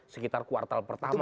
sekitar kuartal pertama